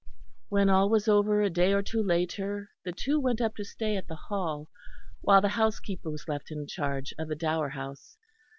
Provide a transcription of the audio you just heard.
When all was over a day or two later the two went up to stay at the Hall, while the housekeeper was left in charge of the Dower House.